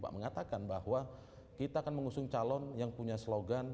mengatakan bahwa kita akan mengusung calon yang punya slogan